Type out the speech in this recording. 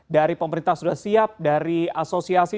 dari pemerintah sudah siap dari asosiasi